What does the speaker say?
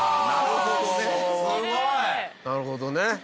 なるほどね。